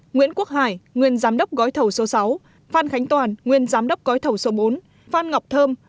nguyễn quốc hải nguyên giám đốc gói thầu số sáu phan khánh toàn nguyên giám đốc gói thầu số bốn phan ngọc thơm